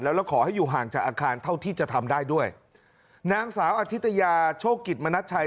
แล้วขอให้อยู่ห่างจากอาคารเท่าที่จะทำได้ด้วยนางสาวอธิตยาโชคกิจมณัชชัย